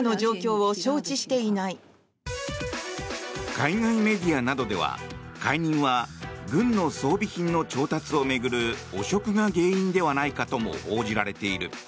海外メディアなどでは解任は軍の装備品の調達を巡る汚職が原因ではないかとも報じられている。